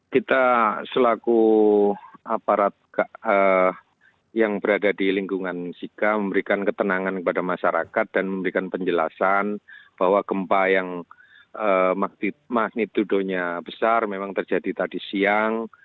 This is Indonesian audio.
kita selaku aparat yang berada di lingkungan sika memberikan ketenangan kepada masyarakat dan memberikan penjelasan bahwa gempa yang magnitudonya besar memang terjadi tadi siang